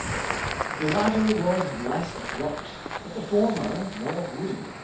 The latter was less abrupt, but the former more wooded.